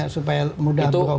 supaya mudah berobatnya